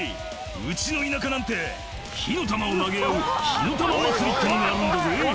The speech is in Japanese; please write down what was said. うちの田舎なんて火の玉を投げ合う火の玉祭りってのがあるんだぜ」